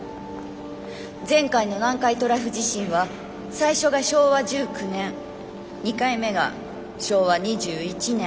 「前回の南海トラフ地震は最初が昭和１９年２回目が昭和２１年。